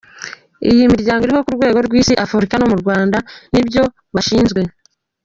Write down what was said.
Iyi miryango iriho ku rwego rw’Isi, Afurika no mu Rwanda nibyo bashinzwe.